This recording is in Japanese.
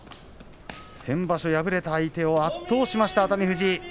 先場所敗れた相手を圧倒しました熱海富士。